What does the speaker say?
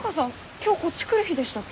今日こっち来る日でしたっけ？